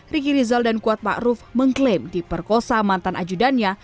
riki rizal dan kuat pak ruf mengklaim di perkosa mantan ajudannya